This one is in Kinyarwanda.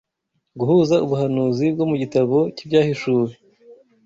guhuza ubuhanuzi bwo mu gitabo cy’Ibyahishuwe